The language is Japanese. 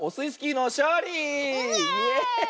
イエーイ！